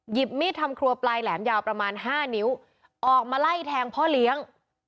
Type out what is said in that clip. มีดทำครัวปลายแหลมยาวประมาณ๕นิ้วออกมาไล่แทงพ่อเลี้ยง